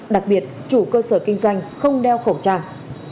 đặc biệt chủ cơ sở kinh doanh không đeo khẩu trang